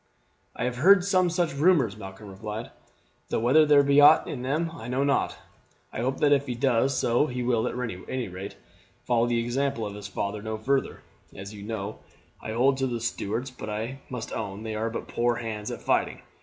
"I have heard some such rumours," Malcolm replied, "though whether there be aught in them I know not. I hope that if he does so he will at any rate follow the example of his father no further. As you know, I hold to the Stuarts, but I must own they are but poor hands at fighting.